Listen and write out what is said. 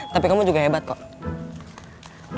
tapi kamu juga hebat kok